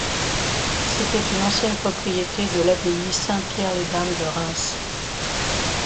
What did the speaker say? C'était une ancienne propriété de l’Abbaye Saint-Pierre-les-Dames de Reims.